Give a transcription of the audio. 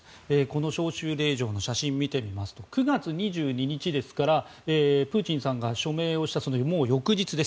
この招集令状の写真を見ますと９月２２日ですからプーチンさんが署名した翌日。